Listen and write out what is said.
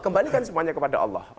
kembalikan semuanya kepada allah